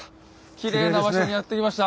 きれいな場所にやって来ました。